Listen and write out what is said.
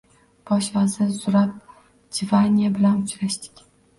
Bosh vazir Zurab Jvaniya bilan uchrashdik